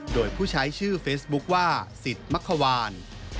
โดยผู้ใช้ชื่อเฟซบุ๊คว่าสิทธิ์มักขวาน